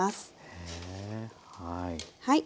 へえはい。